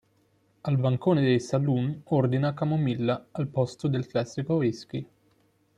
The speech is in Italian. Al bancone dei saloon ordina camomilla al posto del classico whisky.